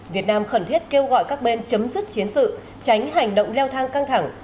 việt nam khẩn thiết kêu gọi các bên chấm dứt chiến sự tránh hành động leo thang căng thẳng